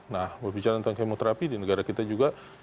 nah berbicara tentang kemoterapi di negara kita juga